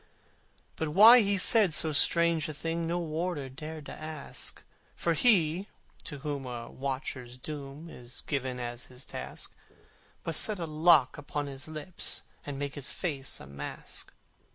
But why he said so strange a thing No warder dared to ask: For he to whom a watcher's doom Is given as his task, Must set a lock upon his lips, And make his face a mask.